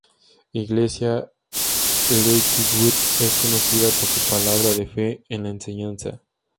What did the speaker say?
Iglesia Lakewood es conocida por su palabra de fe en la enseñanza.